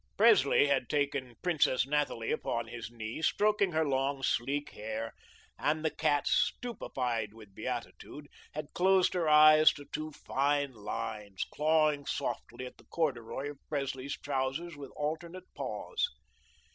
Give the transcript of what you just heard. Presley had taken Princess Nathalie upon his knee stroking her long, sleek hair, and the cat, stupefied with beatitude, had closed her eyes to two fine lines, clawing softly at the corduroy of Presley's trousers with alternate paws.